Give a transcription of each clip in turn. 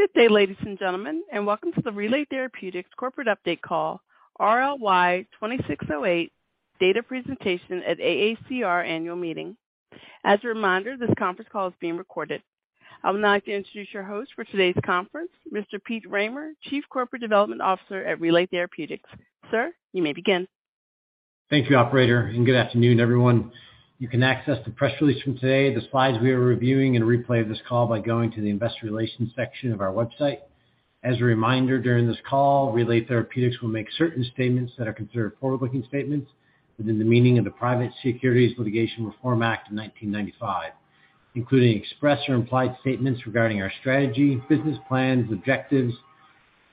Good day, ladies and gentlemen, welcome to the Relay Therapeutics Corporate update call, RLY-2608 data presentation at AACR annual meeting. As a reminder, this conference call is being recorded. I would now like to introduce your host for today's conference, Mr. Pete Rahmer, Chief Corporate Development Officer at Relay Therapeutics. Sir, you may begin. Thank you, operator, good afternoon, everyone. You can access the press release from today, the slides we are reviewing, and a replay of this call by going to the investor relations section of our website. As a reminder, during this call, Relay Therapeutics will make certain statements that are considered forward-looking statements within the meaning of the Private Securities Litigation Reform Act of 1995, including express or implied statements regarding our strategy, business plans, objectives,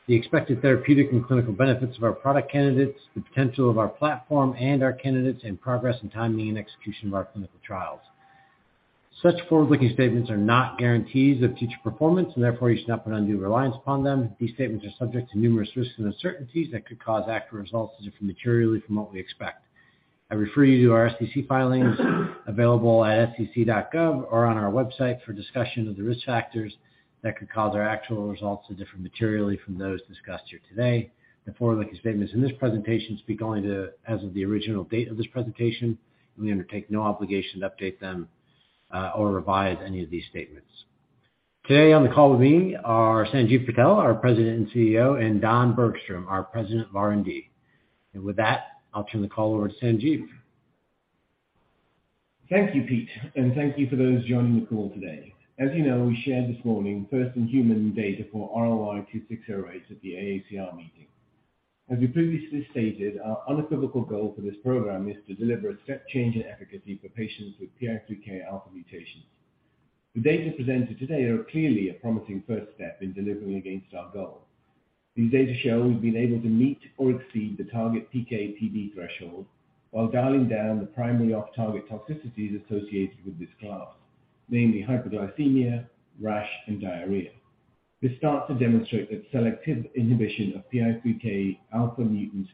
the expected therapeutic and clinical benefits of our product candidates, the potential of our platform and our candidates in progress and timing and execution of our clinical trials. Such forward-looking statements are not guarantees of future performance, and therefore you should not put undue reliance upon them. These statements are subject to numerous risks and uncertainties that could cause actual results to differ materially from what we expect. I refer you to our SEC filings available at sec.gov or on our website for discussion of the risk factors that could cause our actual results to differ materially from those discussed here today. The forward-looking statements in this presentation speak only to as of the original date of this presentation, and we undertake no obligation to update them or revise any of these statements. Today on the call with me are Sanjiv Patel, our President and CEO, and Don Bergstrom, our President of R&D. And with that, I'll turn the call over to Sanjiv. Thank you, Pete. Thank you for those joining the call today. As you know, we shared this morning first in human data for RLY-2608 at the AACR meeting. As we previously stated, our unequivocal goal for this program is to deliver a step change in efficacy for patients with PI3Kα mutations. The data presented today are clearly a promising first step in delivering against our goal. These data show we've been able to meet or exceed the target PK/PD threshold while dialing down the primary off-target toxicities associated with this class, namely hyperglycemia, rash, and diarrhea. This starts to demonstrate that selective inhibition of PI3Kα mutant,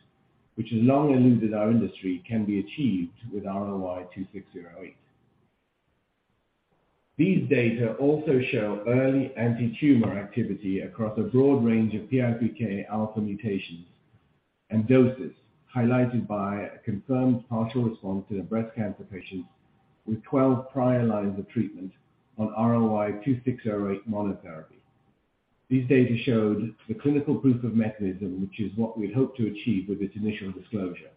which has long eluded our industry, can be achieved with RLY-2608. These data also show early antitumor activity across a broad range of PI3Kα mutations and doses, highlighted by a confirmed partial response in a breast cancer patient with 12 prior lines of treatment on RLY-2608 monotherapy. These data showed the clinical proof of mechanism, which is what we'd hoped to achieve with this initial disclosure.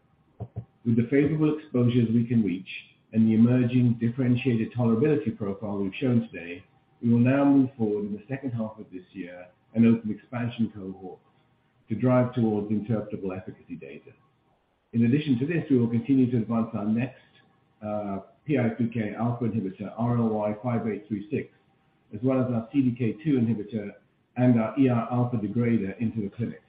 With the favorable exposures we can reach and the emerging differentiated tolerability profile we've shown today, we will now move forward in the second half of this year an open expansion cohort to drive towards interpretable efficacy data. In addition to this, we will continue to advance our next PI3Kα inhibitor, RLY-5836, as well as our CDK2 inhibitor and our ERα degrader into the clinic.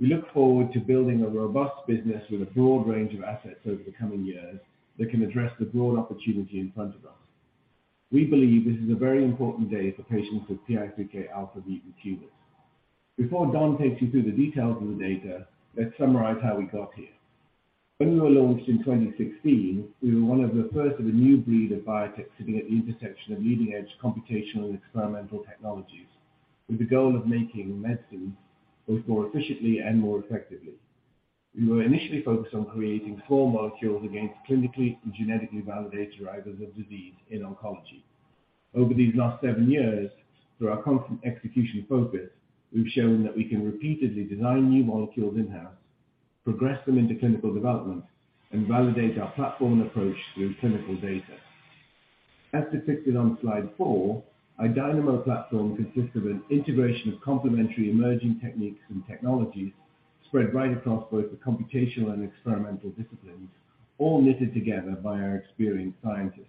We look forward to building a robust business with a broad range of assets over the coming years that can address the broad opportunity in front of us. We believe this is a very important day for patients with PI3Kα mutant tumors. Before Don takes you through the details of the data, let's summarize how we got here. When we were launched in 2016, we were one of the first of a new breed of biotech sitting at the intersection of leading-edge computational and experimental technologies with the goal of making medicine both more efficiently and more effectively. We were initially focused on creating small molecules against clinically and genetically validated drivers of disease in oncology. Over these last seven years, through our constant execution focus, we've shown that we can repeatedly design new molecules in-house, progress them into clinical development, and validate our platform and approach through clinical data. As depicted on slide four, our Dynamo platform consists of an integration of complementary emerging techniques and technologies spread right across both the computational and experimental disciplines, all knitted together by our experienced scientists.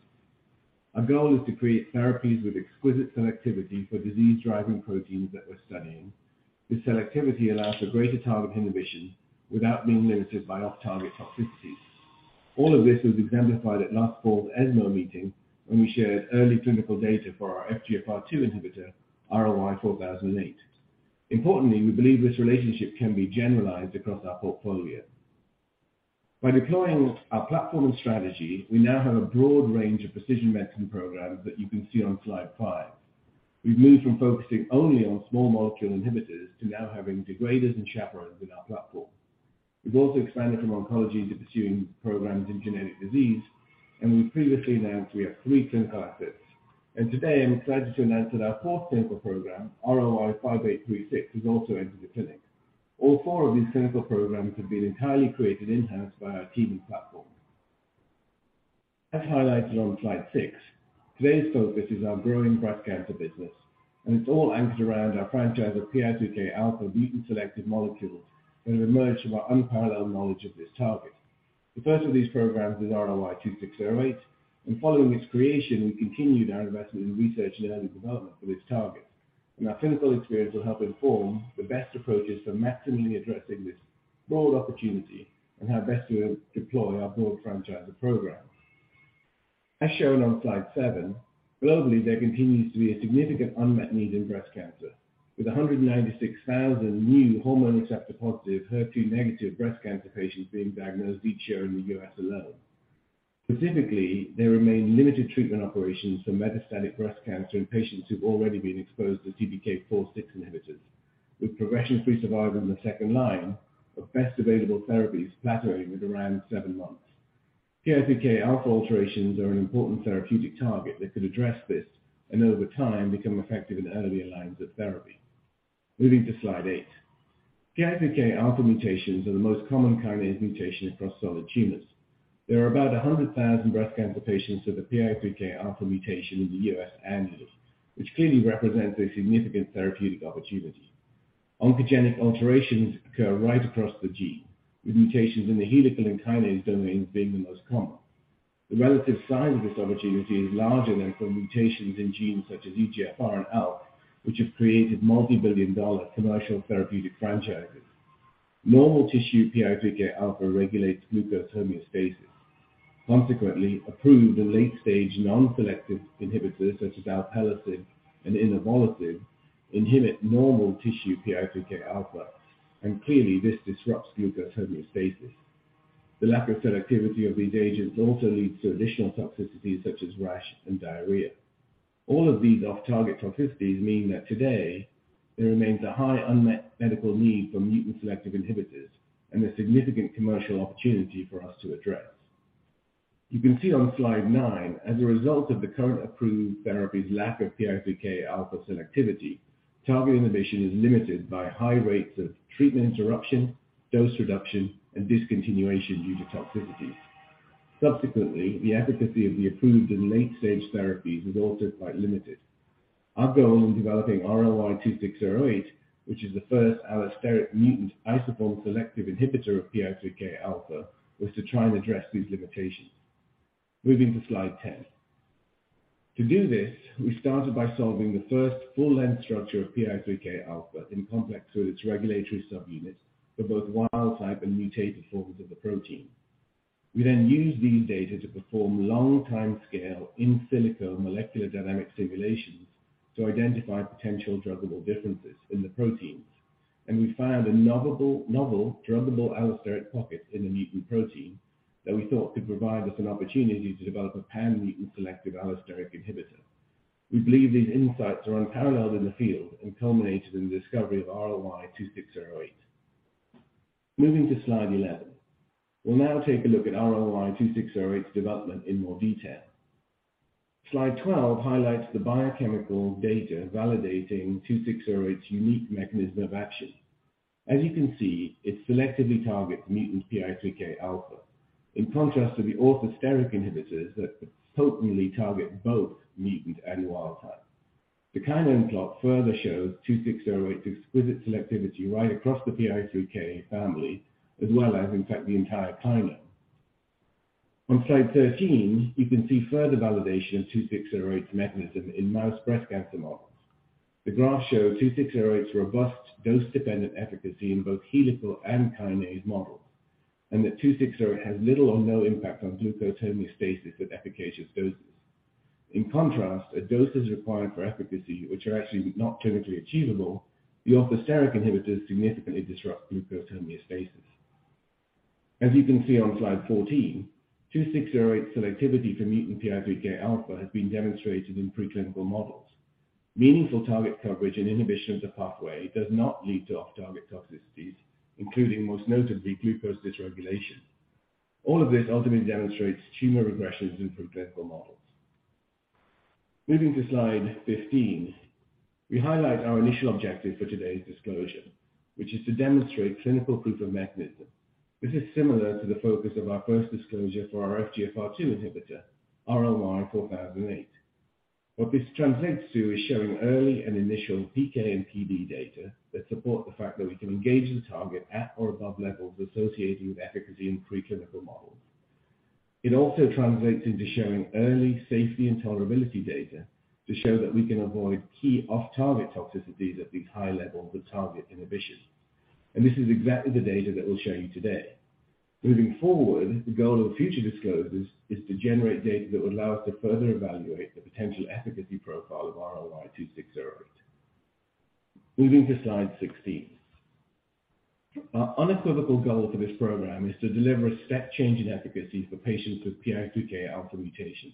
Our goal is to create therapies with exquisite selectivity for disease-driving proteins that we're studying. This selectivity allows for greater target inhibition without being limited by off-target toxicities. All of this was exemplified at last fall's ESMO meeting when we shared early clinical data for our FGFR2 inhibitor, RLY-4008. We believe this relationship can be generalized across our portfolio. By deploying our platform and strategy, we now have a broad range of precision medicine programs that you can see on slide five. We've moved from focusing only on small molecule inhibitors to now having degraders and chaperones in our platform. We've also expanded from oncology to pursuing programs in genetic disease, and we previously announced we have three clinical assets. Today I'm excited to announce that our fourth clinical program, RLY-5836, has also entered the clinic. All four of these clinical programs have been entirely created in-house by our team and platform. As highlighted on slide six, today's focus is our growing breast cancer business, and it's all anchored around our franchise of PI3Kα mutant-selective molecules that have emerged from our unparalleled knowledge of this target. The first of these programs is RLY-2608, following its creation, we continued our investment in research and early development for this target. Our clinical experience will help inform the best approaches for maximally addressing this broad opportunity and how best to deploy our broad franchise of programs. As shown on slide seven, globally, there continues to be a significant unmet need in breast cancer, with 196,000 new HR+/HER2- breast cancer patients being diagnosed each year in the U.S. alone. Specifically, there remain limited treatment operations for metastatic breast cancer in patients who've already been exposed to CDK4/6 inhibitors, with progression-free survival in the second line of best available therapies flattering with around seven months. PI3Kα alterations are an important therapeutic target that could address this and over time become effective in earlier lines of therapy. Moving to slide eight. PI3Kα mutations are the most common kinase mutation across solid tumors. There are about 100,000 breast cancer patients with a PI3Kα mutation in the U.S. annually, which clearly represents a significant therapeutic opportunity. Oncogenic alterations occur right across the gene, with mutations in the helical and kinase domains being the most common. The relative size of this opportunity is larger than for mutations in genes such as EGFR and ALK, which have created multi-billion dollar commercial therapeutic franchises. Normal tissue PI3Kα regulates glucose homeostasis. Approved and late-stage non-selective inhibitors such as alpelisib and inavolisib inhibit normal tissue PI3Kα, and clearly this disrupts glucose homeostasis. The lack of selectivity of these agents also leads to additional toxicities such as rash and diarrhea. All of these off-target toxicities mean that today there remains a high unmet medical need for mutant selective inhibitors and a significant commercial opportunity for us to address. You can see on slide nine, as a result of the current approved therapy's lack of PI3Kα selectivity, target inhibition is limited by high rates of treatment interruption, dose reduction, and discontinuation due to toxicities. The efficacy of the approved and late-stage therapies is also quite limited. Our goal in developing RLY-2608, which is the first allosteric mutant isoform selective inhibitor of PI3Kα, was to try and address these limitations. Moving to slide 10. To do this, we started by solving the first full length structure of PI3Kα in complex with its regulatory subunits for both wild type and mutated forms of the protein. We used these data to perform long timescale in silico molecular dynamic simulations to identify potential drugable differences in the proteins. We found a novel drugable allosteric pocket in the mutant protein that we thought could provide us an opportunity to develop a pan-mutant selective allosteric inhibitor. We believe these insights are unparalleled in the field and culminated in the discovery of RLY-2608. Moving to slide 11. We'll now take a look at RLY-2608's development in more detail. Slide 12 highlights the biochemical data validating RLY-2608's unique mechanism of action. As you can see, it selectively targets mutant PI3Kα, in contrast to the orthosteric inhibitors that potently target both mutant and wild type. The kinome plot further shows RLY-2608's exquisite selectivity right across the PI3K family, as well as in fact the entire kinome. On slide 13, you can see further validation of RLY-2608's mechanism in mouse breast cancer models. The graphs show RLY-2608's robust dose-dependent efficacy in both helical and kinase models, and that RLY-2608 has little or no impact on glucose homeostasis at efficacious doses. In contrast, at doses required for efficacy, which are actually not clinically achievable, the orthosteric inhibitors significantly disrupt glucose homeostasis. As you can see on slide 14, RLY-2608 selectivity for mutant PI3Kα has been demonstrated in preclinical models. Meaningful target coverage and inhibition of the pathway does not lead to off-target toxicities, including most notably glucose dysregulation. All of this ultimately demonstrates tumor regressions in preclinical models. Moving to slide 15, we highlight our initial objective for today's disclosure, which is to demonstrate clinical proof of mechanism. This is similar to the focus of our first disclosure for our FGFR2 inhibitor, RLY-4008. What this translates to is showing early and initial PK and PD data that support the fact that we can engage the target at or above levels associated with efficacy in preclinical models. It also translates into showing early safety and tolerability data to show that we can avoid key off-target toxicities at these high levels of target inhibition. This is exactly the data that we'll show you today. Moving forward, the goal of future disclosures is to generate data that will allow us to further evaluate the potential efficacy profile of RLY-2608. Moving to slide 16. Our unequivocal goal for this program is to deliver a step change in efficacy for patients with PI3Kα mutations.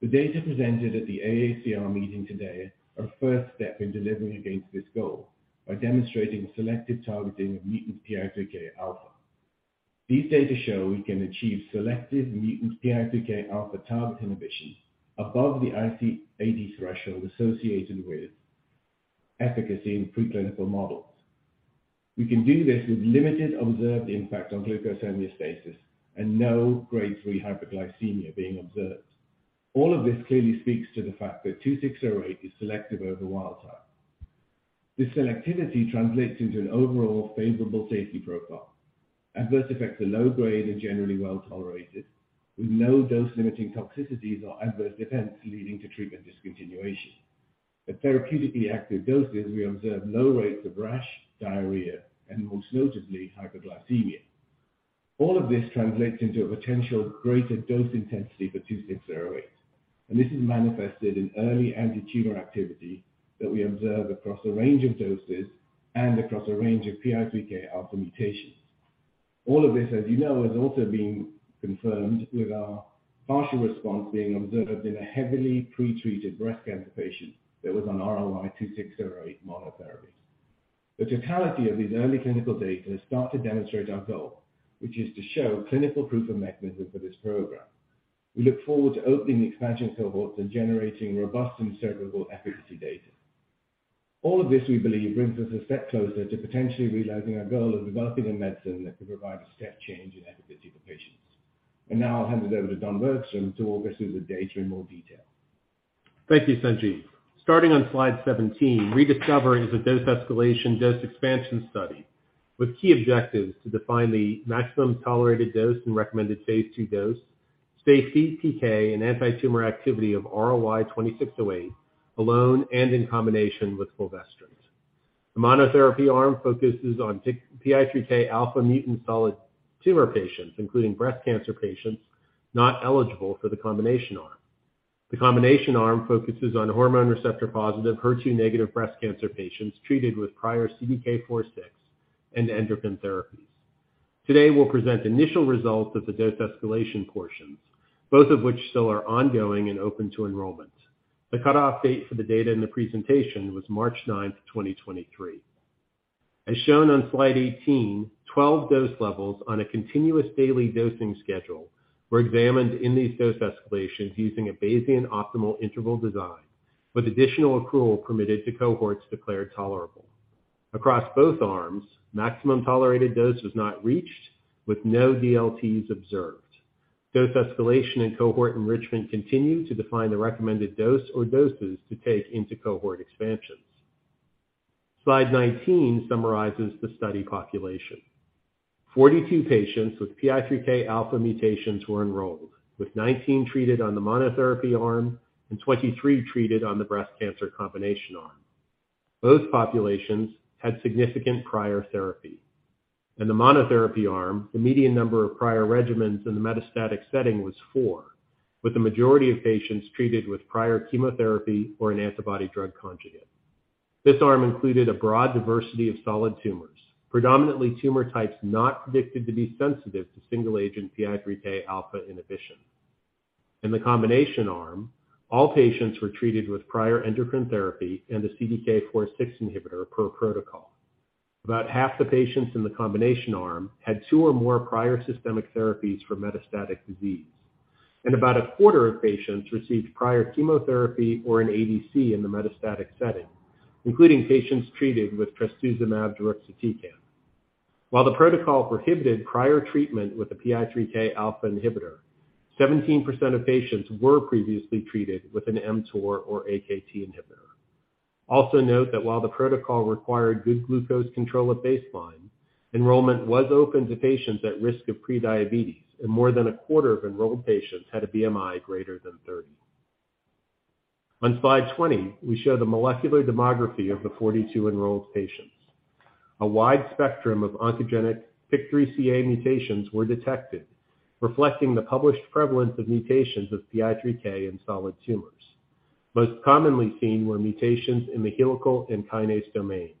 The data presented at the AACR meeting today are a first step in delivering against this goal by demonstrating selective targeting of mutant PI3Kα. These data show we can achieve selective mutant PI3Kα target inhibition above the IC80 threshold associated with efficacy in preclinical models. We can do this with limited observed impact on glucose homeostasis and no Grade 3 hyperglycemia being observed. All of this clearly speaks to the fact that RLY-2608 is selective over wild type. This selectivity translates into an overall favorable safety profile. Adverse effects are low grade and generally well-tolerated with no DLT or adverse events leading to treatment discontinuation. At therapeutically active doses, we observed low rates of rash, diarrhea, and most notably hyperglycemia. All of this translates into a potential greater dose intensity for RLY-2608. This is manifested in early anti-tumor activity that we observe across a range of doses and across a range of PI3Kα mutations. All of this, as you know, has also been confirmed with our partial response being observed in a heavily pre-treated breast cancer patient that was on RLY-2608 monotherapy. The totality of these early clinical data start to demonstrate our goal, which is to show clinical proof of mechanism for this program. We look forward to opening expansion cohorts and generating robust and surgical efficacy data. All of this, we believe, brings us a step closer to potentially realizing our goal of developing a medicine that could provide a step change in efficacy for patients. Now I'll hand it over to Don Bergstrom to walk us through the data in more detail. Thank you, Sanjiv. Starting on slide 17, ReDiscover is a dose escalation, dose expansion study with key objectives to define the maximum tolerated dose and recommended phase II dose, PK and anti-tumor activity of RLY-2608 alone and in combination with fulvestrant. The monotherapy arm focuses on PI3Kα mutant solid tumor patients, including breast cancer patients not eligible for the combination arm. The combination arm focuses on HR+/HER2- breast cancer patients treated with prior CDK4/6 and endocrine therapies. Today, we'll present initial results of the dose escalation portions, both of which still are ongoing and open to enrollment. The cutoff date for the data in the presentation was March 9th, 2023. As shown on slide 18, 12 dose levels on a continuous daily dosing schedule were examined in these dose escalations using a Bayesian Optimal Interval design, with additional accrual permitted to cohorts declared tolerable. Across both arms, maximum tolerated dose was not reached, with no DLTs observed. Dose escalation and cohort enrichment continue to define the recommended dose or doses to take into cohort expansions. Slide 19 summarizes the study population. 42 patients with PI3Kα mutations were enrolled, with 19 treated on the monotherapy arm and 23 treated on the breast cancer combination arm. Both populations had significant prior therapy. In the monotherapy arm, the median number of prior regimens in the metastatic setting was four, with the majority of patients treated with prior chemotherapy or an antibody-drug conjugate. This arm included a broad diversity of solid tumors, predominantly tumor types not predicted to be sensitive to single-agent PI3Kα inhibition. In the combination arm, all patients were treated with prior endocrine therapy and a CDK4/6 inhibitor per protocol. About half the patients in the combination arm had two or more prior systemic therapies for metastatic disease, and about 1/4 of patients received prior chemotherapy or an ADC in the metastatic setting, including patients treated with trastuzumab deruxtecan. While the protocol prohibited prior treatment with a PI3Kα inhibitor, 17% of patients were previously treated with an mTOR or AKT inhibitor. Also note that while the protocol required good glucose control at baseline, enrollment was open to patients at risk of prediabetes, and more than 1/4 of enrolled patients had a BMI greater than 30. On slide 20, we show the molecular demography of the 42 enrolled patients. A wide spectrum of oncogenic PIK3CA mutations were detected, reflecting the published prevalence of mutations of PI3K in solid tumors. Most commonly seen were mutations in the helical and kinase domains,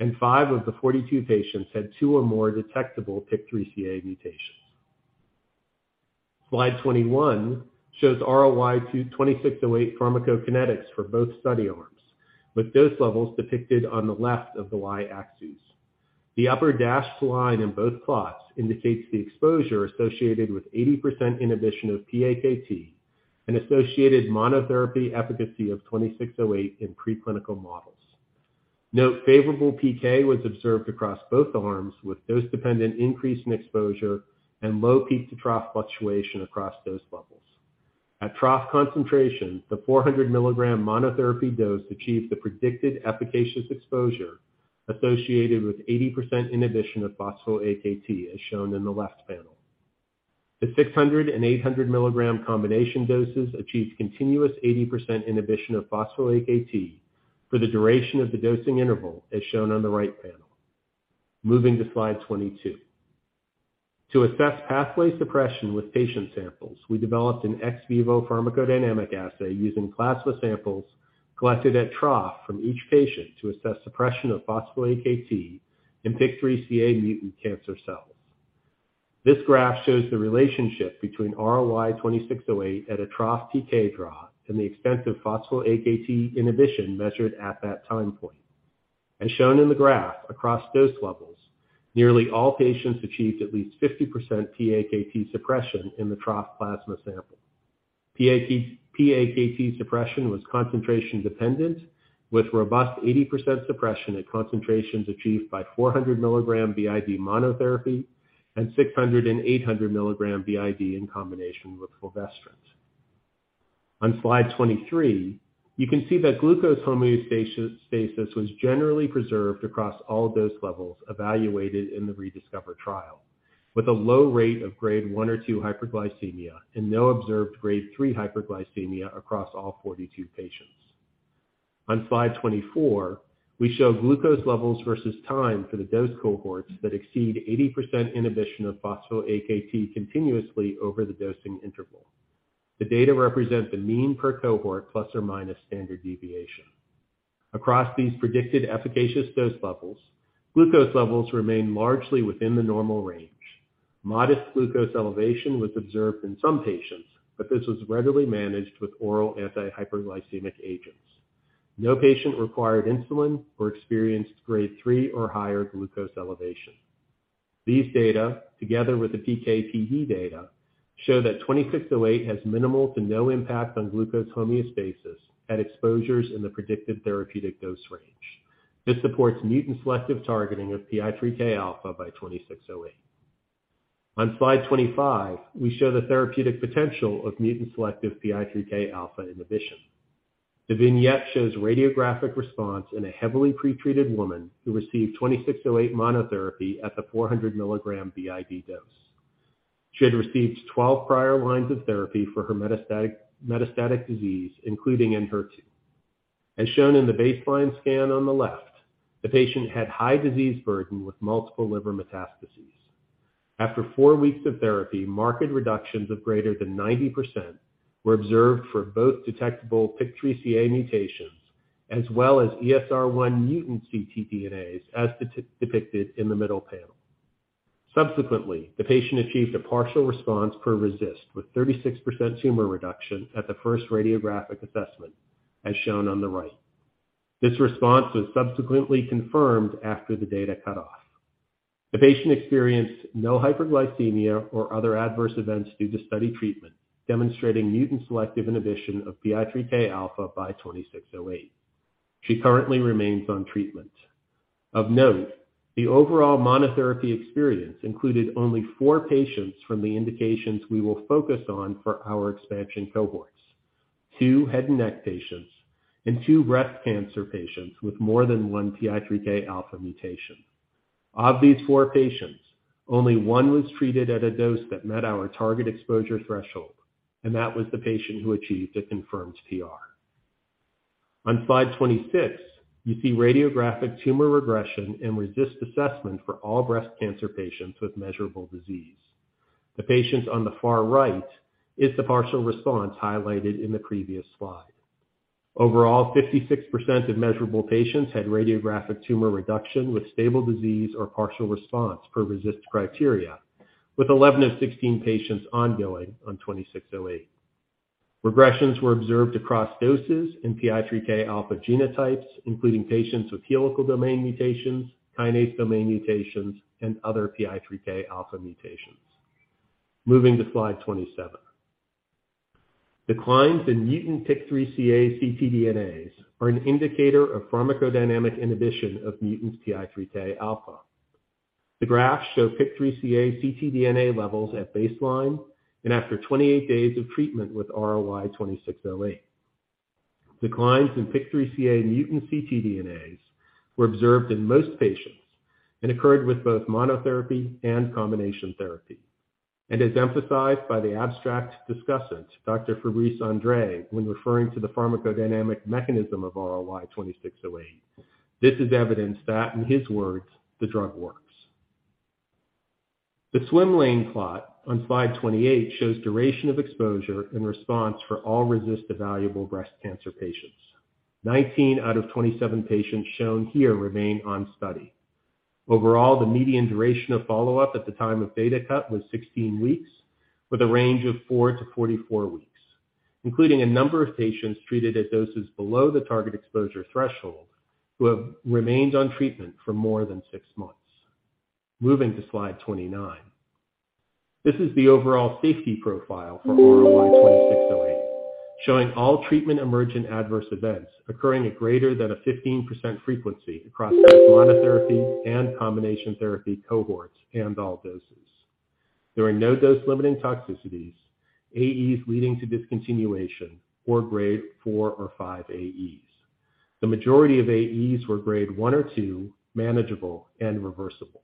and five of the 42 patients had two or more detectable PIK3CA mutations. Slide 21 shows RLY-2608 pharmacokinetics for both study arms, with dose levels depicted on the left of the Y-axis. The upper dashed line in both plots indicates the exposure associated with 80% inhibition of pAKT and associated monotherapy efficacy of RLY-2608 in preclinical models. Note favorable PK was observed across both arms, with dose-dependent increase in exposure and low peak-to-trough fluctuation across dose levels. At trough concentration, the 400 mg monotherapy dose achieved the predicted efficacious exposure associated with 80% inhibition of phospho-AKT, as shown in the left panel. The 600 mg and 800 mg combination doses achieved continuous 80% inhibition of phospho-AKT for the duration of the dosing interval, as shown on the right panel. Moving to slide 22. To assess pathway suppression with patient samples, we developed an ex vivo pharmacodynamic assay using plasma samples collected at trough from each patient to assess suppression of phospho-AKT in PIK3CA mutant cancer cells. This graph shows the relationship between RLY-2608 at a trough PK draw and the extent of phospho-AKT inhibition measured at that time point. As shown in the graph, across dose levels, nearly all patients achieved at least 50% pAKT suppression in the trough plasma sample. pAKT suppression was concentration-dependent, with robust 80% suppression at concentrations achieved by 400 mg BID monotherapy and 600 mg and 800 mg BID in combination with fulvestrant. On slide 23, you can see that glucose homeostasis was generally preserved across all dose levels evaluated in the ReDiscover trial, with a low rate of Grade 1 or 2 hyperglycemia and no observed Grade 3 hyperglycemia across all 42 patients. On slide 24, we show glucose levels versus time for the dose cohorts that exceed 80% inhibition of phospho-AKT continuously over the dosing interval. The data represent the mean per cohort plus or minus standard deviation. Across these predicted efficacious dose levels, glucose levels remain largely within the normal range. Modest glucose elevation was observed in some patients, but this was readily managed with oral anti-hyperglycemic agents. No patient required insulin or experienced Grade 3 or higher glucose elevation. These data, together with the PK/PD data, show that RLY-2608 has minimal to no impact on glucose homeostasis at exposures in the predicted therapeutic dose range. This supports mutant selective targeting of PI3Kα by RLY-2608. On slide 25, we show the therapeutic potential of mutant selective PI3Kα inhibition. The vignette shows radiographic response in a heavily pretreated woman who received RLY-2608 monotherapy at the 400 mg BID dose. She had received 12 prior lines of therapy for her metastatic disease, including Enhertu. As shown in the baseline scan on the left, the patient had high disease burden with multiple liver metastases. After four weeks of therapy, marked reductions of greater than 90% were observed for both detectable PIK3CA mutations as well as ESR1 mutant ctDNAs, as depicted in the middle panel. Subsequently, the patient achieved a partial response per RECIST, with 36% tumor reduction at the first radiographic assessment, as shown on the right. This response was subsequently confirmed after the data cut-off. The patient experienced no hyperglycemia or other adverse events due to study treatment, demonstrating mutant selective inhibition of PI3Kα by RLY-2608. She currently remains on treatment. Of note, the overall monotherapy experience included only four patients from the indications we will focus on for our expansion cohorts, two head and neck patients and two breast cancer patients with more than one PI3Kα mutation. Of these four patients, only one was treated at a dose that met our target exposure threshold, and that was the patient who achieved a confirmed PR. On slide 26, you see radiographic tumor regression and RECIST assessment for all breast cancer patients with measurable disease. The patients on the far right is the partial response highlighted in the previous slide. Overall, 56% of measurable patients had radiographic tumor reduction with stable disease or partial response per RECIST criteria, with 11 of 16 patients ongoing on RLY-2608. Regressions were observed across doses in PI3Kα genotypes, including patients with helical domain mutations, kinase domain mutations, and other PI3Kα mutations. Moving to slide 27. Declines in mutant PIK3CA ctDNA are an indicator of pharmacodynamic inhibition of mutant PI3Kα. The graphs show PIK3CA ctDNA levels at baseline and after 28 days of treatment with RLY-2608. Declines in PIK3CA mutant ctDNAs were observed in most patients and occurred with both monotherapy and combination therapy. As emphasized by the abstract discussant, Dr. Fabrice André, when referring to the pharmacodynamic mechanism of RLY-2608, this is evidence that, in his words, "The drug works." The swim lane plot on slide 28 shows duration of exposure and response for all RECIST evaluable breast cancer patients. 19 out of 27 patients shown here remain on study. Overall, the median duration of follow-up at the time of data cut was 16 weeks, with a range of four to 44 weeks, including a number of patients treated at doses below the target exposure threshold who have remained on treatment for more than six months. Moving to slide 29. This is the overall safety profile for RLY-2608, showing all treatment emergent adverse events occurring at greater than a 15% frequency across both monotherapy and combination therapy cohorts and all doses. There are no dose-limiting toxicities, AEs leading to discontinuation or Grade 4 or 5 AEs. The majority of AEs were Grade 1 or 2, manageable and reversible.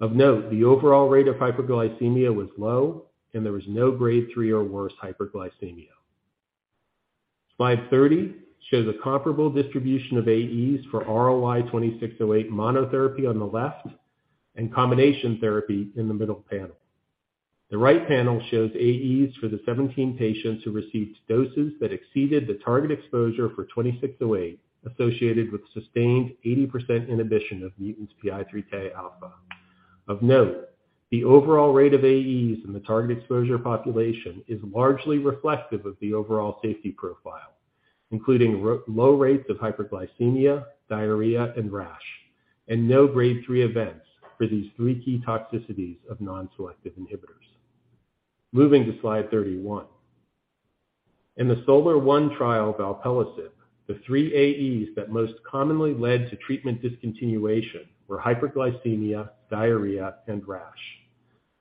Of note, the overall rate of hyperglycemia was low, and there was no Grade 3 or worse hyperglycemia. Slide 30 shows a comparable distribution of AEs for RLY-2608 monotherapy on the left and combination therapy in the middle panel. The right panel shows AEs for the 17 patients who received doses that exceeded the target exposure for 2608, associated with sustained 80% inhibition of mutant PI3Kα. Of note, the overall rate of AEs in the target exposure population is largely reflective of the overall safety profile, including low rates of hyperglycemia, diarrhea, and rash, and no Grade 3 events for these three key toxicities of non-selective inhibitors. Moving to slide 31. In the SOLAR-1 trial of alpelisib, the three AEs that most commonly led to treatment discontinuation were hyperglycemia, diarrhea, and rash.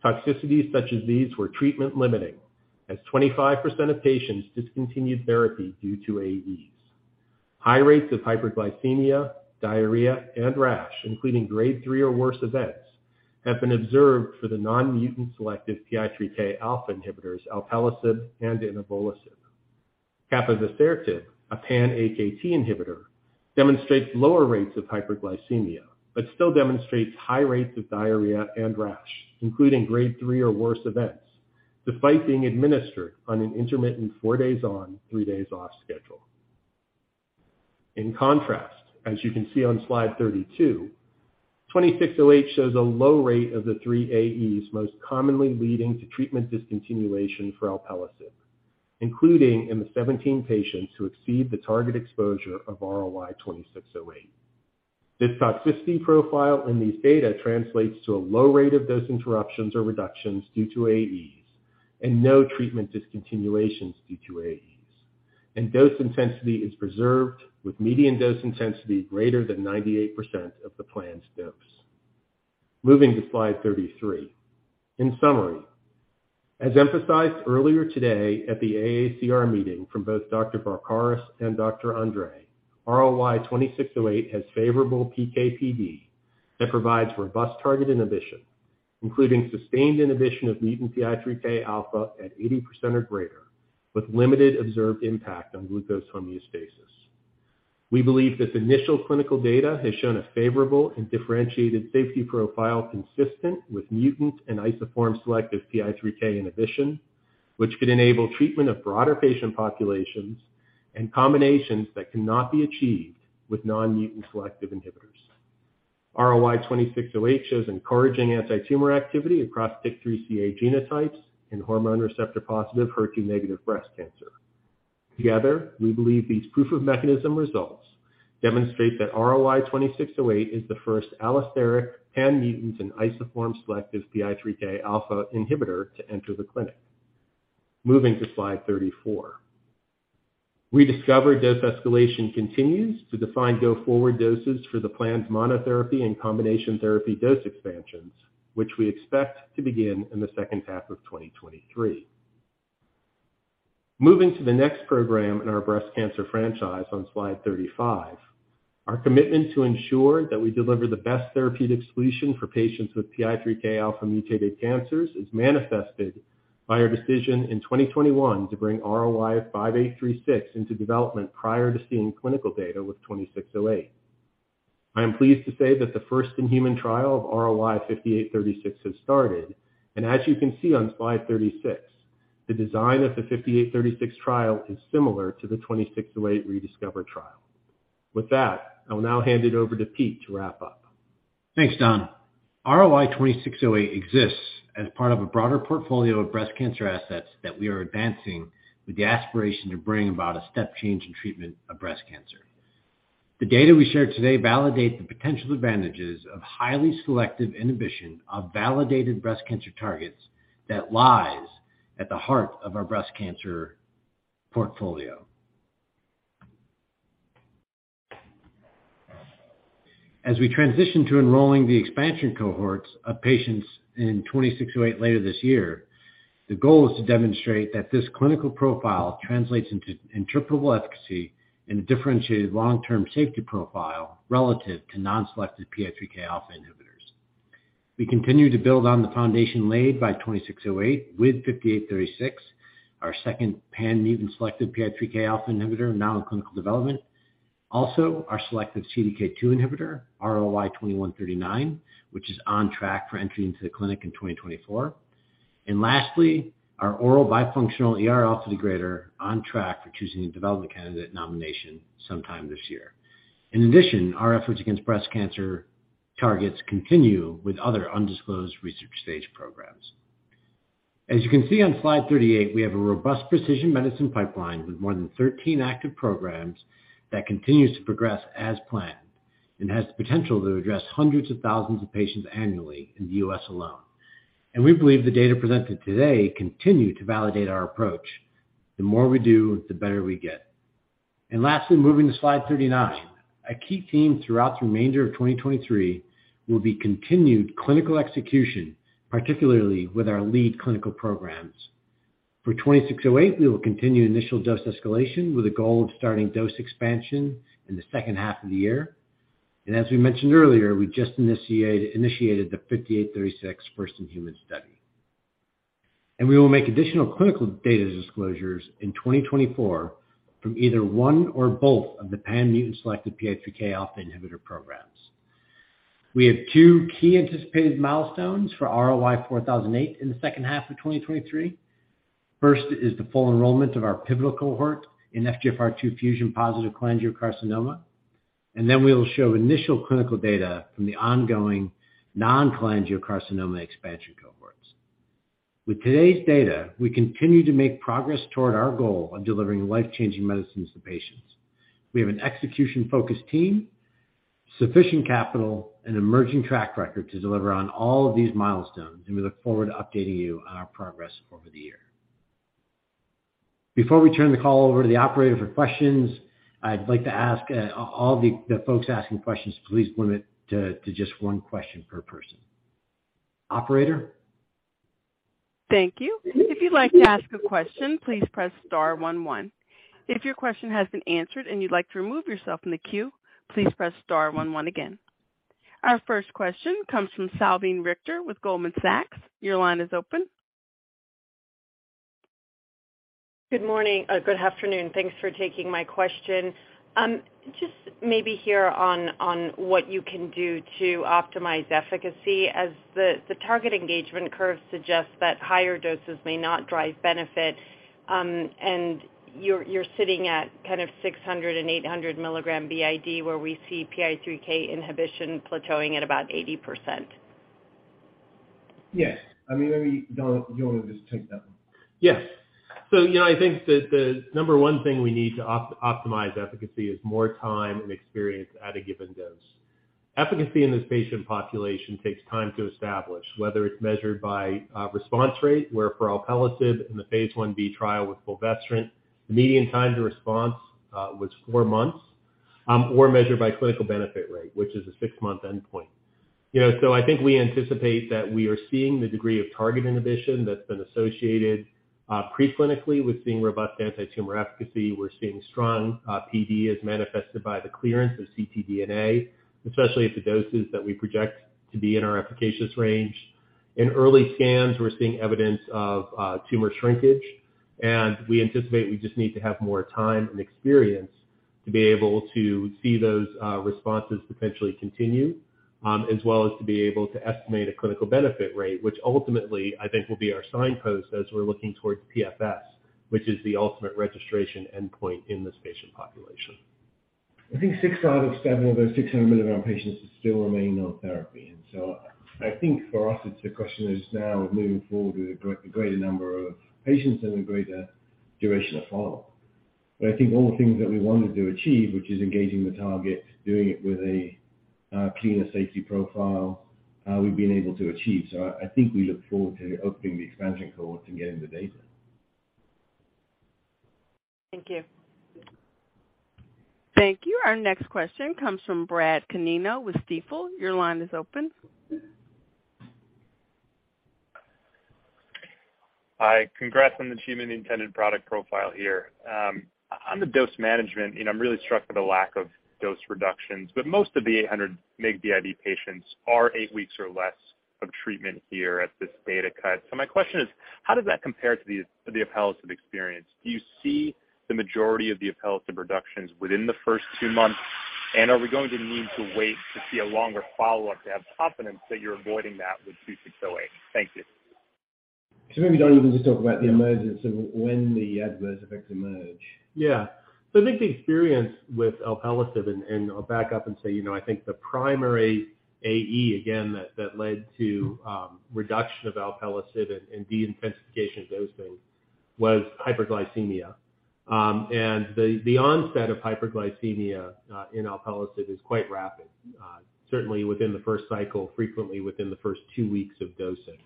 Toxicities such as these were treatment limiting, as 25% of patients discontinued therapy due to AEs. High rates of hyperglycemia, diarrhea, and rash, including Grade 3 or worse events have been observed for the non-mutant selective PI3Kα inhibitors alpelisib and inavolisib. Capivasertib, a pan-AKT inhibitor, demonstrates lower rates of hyperglycemia, but still demonstrates high rates of diarrhea and rash, including Grade 3 or worse events, despite being administered on an intermittent four days on, three days off schedule. In contrast, as you can see on slide 32, RLY-2608 shows a low rate of the three AEs most commonly leading to treatment discontinuation for alpelisib, including in the 17 patients who exceed the target exposure of RLY-2608. This toxicity profile in these data translates to a low rate of dose interruptions or reductions due to AEs and no treatment discontinuations due to AEs. Dose intensity is preserved with median dose intensity greater than 98% of the planned dose. Moving to slide 33. In summary, as emphasized earlier today at the AACR meeting from both Dr. Varkaris and Dr. André, RLY-2608 has favorable PK/PD that provides robust target inhibition, including sustained inhibition of mutant PI3Kα at 80% or greater, with limited observed impact on glucose homeostasis. We believe this initial clinical data has shown a favorable and differentiated safety profile consistent with mutant and isoform selective PI3K inhibition, which could enable treatment of broader patient populations and combinations that cannot be achieved with non-mutant selective inhibitors. RLY-2608 shows encouraging antitumor activity across PIK3CA genotypes and HR+/HER2- breast cancer. Together, we believe these proof of mechanism results demonstrate that RLY-2608 is the first allosteric pan-mutant and isoform selective PI3Kα inhibitor to enter the clinic. Moving to slide 34. ReDiscover dose escalation continues to define go-forward doses for the planned monotherapy and combination therapy dose expansions, which we expect to begin in the second half of 2023. Moving to the next program in our breast cancer franchise on slide 35. Our commitment to ensure that we deliver the best therapeutic solution for patients with PI3Kα-mutated cancers is manifested by our decision in 2021 to bring RLY-5836 into development prior to seeing clinical data with RLY-2608. I am pleased to say that the first-in-human trial of RLY-5836 has started. As you can see on slide 36, the design of the RLY-5836 trial is similar to the RLY-2608 ReDiscover trial. With that, I will now hand it over to Pete to wrap up. Thanks, Don. RLY-2608 exists as part of a broader portfolio of breast cancer assets that we are advancing with the aspiration to bring about a step change in treatment of breast cancer. The data we shared today validate the potential advantages of highly selective inhibition of validated breast cancer targets that lies at the heart of our breast cancer portfolio. As we transition to enrolling the expansion cohorts of patients in RLY-2608 later this year, the goal is to demonstrate that this clinical profile translates into interpretable efficacy and a differentiated long-term safety profile relative to non-selected PI3Kα inhibitors. We continue to build on the foundation laid by RLY-2608 with RLY-5836, our second pan-mutant selective PI3Kα inhibitor now in clinical development. Our selective CDK2 inhibitor, RLY-2139, which is on track for entry into the clinic in 2024. Lastly, our oral bifunctional ER degrader on track for choosing a development candidate nomination sometime this year. Our efforts against breast cancer targets continue with other undisclosed research stage programs. As you can see on slide 38, we have a robust precision medicine pipeline with more than 13 active programs that continues to progress as planned and has the potential to address hundreds of thousands of patients annually in the U.S. alone. We believe the data presented today continue to validate our approach. The more we do, the better we get. Lastly, moving to slide 39. A key theme throughout the remainder of 2023 will be continued clinical execution, particularly with our lead clinical programs. For RLY-2608, we will continue initial dose escalation with a goal of starting dose expansion in the second half of the year. As we mentioned earlier, we just initiated the RLY-5836 first-in-human study. We will make additional clinical data disclosures in 2024 from either one or both of the pan-mutant selected PI3Kα inhibitor programs. We have two key anticipated milestones for RLY-4008 in the second half of 2023. First is the full enrollment of our pivotal cohort in FGFR2 fusion-positive cholangiocarcinoma, and then we will show initial clinical data from the ongoing non-cholangiocarcinoma expansion cohorts. With today's data, we continue to make progress toward our goal of delivering life-changing medicines to patients. We have an execution-focused team, sufficient capital, and emerging track record to deliver on all of these milestones, and we look forward to updating you on our progress over the year. Before we turn the call over to the operator for questions, I'd like to ask, all the folks asking questions to please limit to just one question per person. Operator? Thank you. If you'd like to ask a question, please press star one one. If your question has been answered and you'd like to remove yourself from the queue, please press star one one again. Our first question comes from Salveen Richter with Goldman Sachs. Your line is open. Good morning. good afternoon. Thanks for taking my question. Just maybe here on what you can do to optimize efficacy as the target engagement curve suggests that higher doses may not drive benefit, and you're sitting at kind of 600 mg and 800 mg BID where we see PI3K inhibition plateauing at about 80%. Yes. I mean, maybe Don, you wanna just take that one? I think the number one thing we need to optimize efficacy is more time and experience at a given dose. Efficacy in this patient population takes time to establish whether it's measured by response rate, where for alpelisib in the phase I-B trial with fulvestrant, the median time to response was four months, or measured by clinical benefit rate, which is a six-month endpoint. I think we anticipate that we are seeing the degree of target inhibition that's been associated preclinically with seeing robust antitumor efficacy. We're seeing strong PD as manifested by the clearance of ctDNA, especially at the doses that we project to be in our efficacious range. In early scans, we're seeing evidence of tumor shrinkage, and we anticipate we just need to have more time and experience to be able to see those responses potentially continue, as well as to be able to estimate a clinical benefit rate, which ultimately I think will be our signpost as we're looking towards PFS, which is the ultimate registration endpoint in this patient population. I think six out of seven of those 600 mg patients still remain on therapy. I think for us it's the question is now moving forward with a greater number of patients and a greater duration of follow-up. I think all the things that we wanted to achieve, which is engaging the target, doing it with a cleaner safety profile, we've been able to achieve. I think we look forward to opening the expansion cohort and getting the data. Thank you. Thank you. Our next question comes from Brad Canino with Stifel. Your line is open. Hi. Congrats on achieving the intended product profile here. On the dose management, you know, I'm really struck by the lack of dose reductions, but most of the 800 mg BID patients are eight weeks or less of treatment here at this data cut. My question is, how does that compare to the alpelisib experience? Do you see the majority of the alpelisib reductions within the first two months? Are we going to need to wait to see a longer follow-up to have confidence that you're avoiding that with RLY-2608? Thank you. Maybe, Don, you can just talk about the emergence of when the adverse effects emerge. I think the experience with alpelisib, and I'll back up and say, you know, I think the primary AE, again, that led to reduction of alpelisib and deintensification of dosing was hyperglycemia. The onset of hyperglycemia in alpelisib is quite rapid, certainly within the first cycle, frequently within the first two weeks of dosing.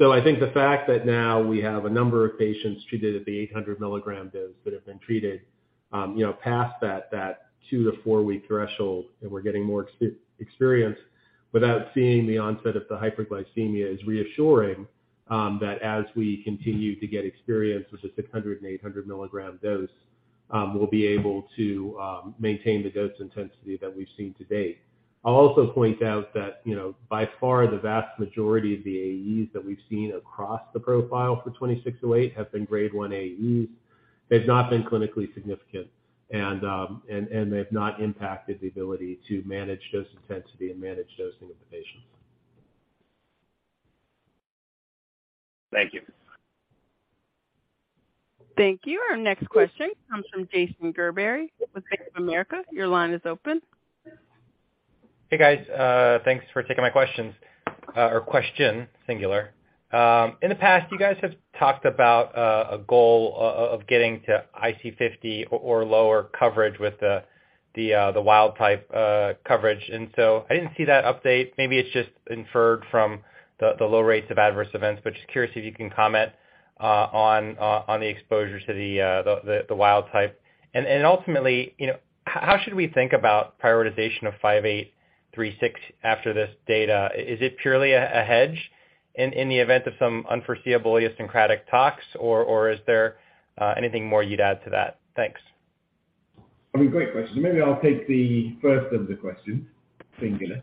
I think the fact that now we have a number of patients treated at the 800 mg dose that have been treated, you know, past that two to four-week threshold, and we're getting more experience without seeing the onset of the hyperglycemia, is reassuring, that as we continue to get experience with the 600 mg and 800 mg dose, we'll be able to maintain the dose intensity that we've seen to date. I'll also point out that, you know, by far the vast majority of the AEs that we've seen across the profile for RLY-2608 have been Grade 1 AEs. They've not been clinically significant and they've not impacted the ability to manage dose intensity and manage dosing of the patients. Thank you. Thank you. Our next question comes from Jason Gerberry with Bank of America. Your line is open. Hey, guys. Thanks for taking my questions, or question, singular. In the past, you guys have talked about a goal of getting to IC50 or lower coverage with the wild type coverage. I didn't see that update. Maybe it's just inferred from the low rates of adverse events. Just curious if you can comment on the exposure to the wild type. Ultimately, you know, how should we think about prioritization of RLY-5836 after this data? Is it purely a hedge in the event of some unforeseeable idiosyncratic talks or is there anything more you'd add to that? Thanks. I mean, great question. Maybe I'll take the first of the questions, singular.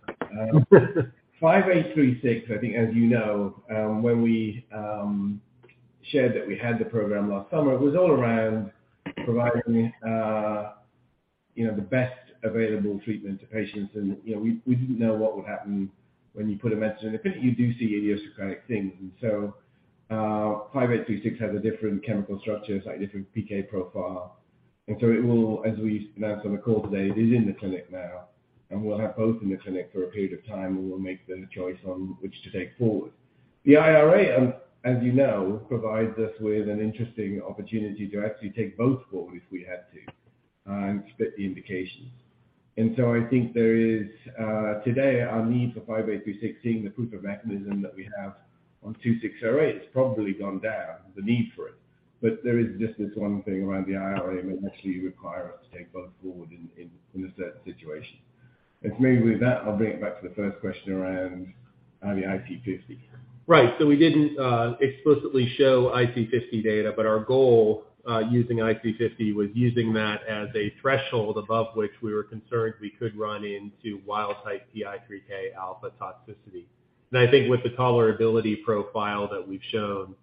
RLY-5836, I think as you know, when we shared that we had the program last summer, it was all around providing, you know, the best available treatment to patients. You know, we didn't know what would happen when you put a medicine. Apparently you do see idiosyncratic things. RLY-5836 has a different chemical structure, slightly different PK profile. It will, as we announced on the call today, it is in the clinic now. We'll have both in the clinic for a period of time. We'll make the choice on which to take forward. The IRA, as you know, provides us with an interesting opportunity to actually take both forward if we had to, split the indications. I think there is today our need for RLY-5836 being the proof of mechanism that we have on RLY-2608 has probably gone down, the need for it. There is just this one thing around the IRA which actually require us to take both forward in a certain situation. If maybe with that, I'll bring it back to the first question around on the IC50. We didn't explicitly show IC50 data, but our goal using IC50 was using that as a threshold above which we were concerned we could run into wild-type PI3Kα toxicity. I think with the tolerability profile that we've shown,